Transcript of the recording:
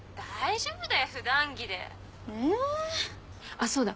あっそうだ。